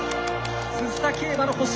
鈴田競馬の星